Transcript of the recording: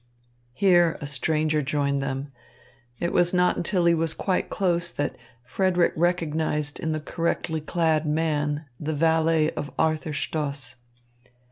Here a stranger joined them. It was not until he was quite close that Frederick recognised in the correctly clad man the valet of Arthur Stoss.